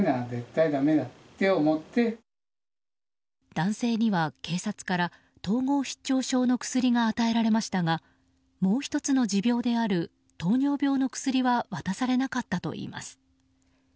男性には警察から統合失調症の薬が与えられましたがもう１つの持病である糖尿病の薬は渡されなかったといいます。